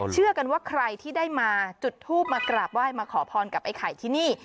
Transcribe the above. เชื่อกันว่าใครที่ได้มาจุดทูปมากราบไหว้มาขอพรกับไอ้ไข่ที่นี่